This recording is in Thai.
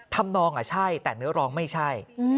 นองใช่แต่เนื้อร้องไม่ใช่